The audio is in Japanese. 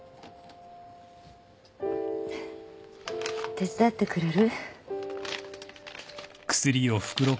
手伝ってくれる？